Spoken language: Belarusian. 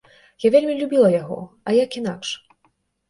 Я вельмі любіла яго, а як інакш?